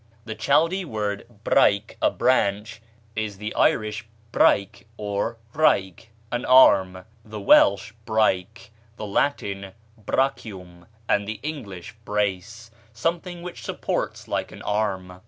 The Chaldee word braic, a branch, is the Irish braic or raigh, an arm, the Welsh braic, the Latin brachium, and the English brace, something which supports like an arm.